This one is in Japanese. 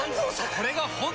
これが本当の。